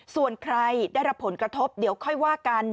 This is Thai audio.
ส่วนใครได้รับผลกระทบเดี๋ยวค่อยว่ากัน